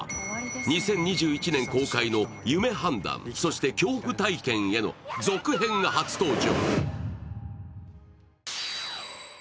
２０２１年公開の「夢判断、そして恐怖体験へ」の続編が初登場。